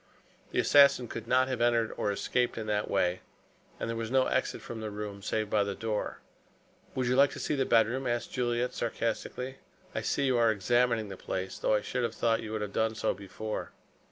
The assassin could not have entered or escaped in that way, and there was no exit from the room save by the door. "Would you like to see the bedroom?" asked Juliet sarcastically. "I see you are examining the place, though I should have thought you would have done so before."